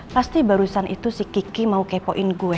pasti barusan itu si kiki mau kepoin gue